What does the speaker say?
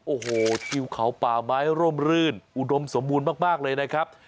โอ้โหทิวเขาป่าไม้ร่มรื่นอุดมสมบูรณ์มากเลยนะครับ